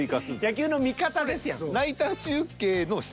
野球の見方ですやん。